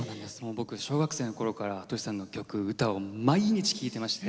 僕小学生の頃からＴｏｓｈｌさんの曲歌を毎日聴いてまして。